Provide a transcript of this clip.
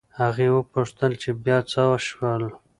هغې وپوښتل چې بيا څه وشول